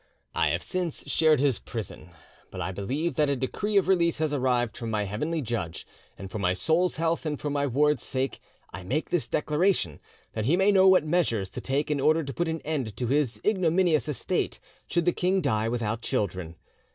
I have since shared his prison, but I believe that a decree of release has arrived from my heavenly judge, and for my soul's health and for my ward's sake I make this declaration, that he may know what measures to take in order to put an end to his ignominious estate should the king die without children.